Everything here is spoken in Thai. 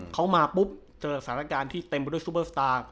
เขามาปุ๊บเจอสถานการณ์ที่เต็มไปด้วยซูเปอร์สตาร์